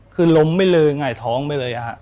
คือล้มไม่เลยหงายท้องไปเลย